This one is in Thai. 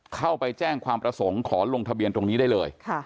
เข้าไปแจ้งความประสงค์ขอลงทะเบียนตรงนี้ได้เลย